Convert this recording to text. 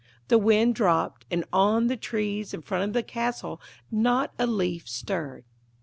The wind dropped, and on the trees in front of the castle not a leaf stirred.